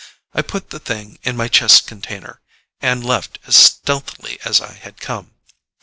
I put the thing in my chest container, and left as stealthily as I had come.